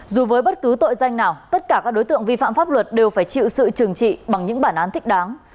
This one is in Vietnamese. dù với bất cứ tội danh nào tất cả các đối tượng vi phạm pháp luật đều phải chịu sự trừng trị bằng những bản án thích đáng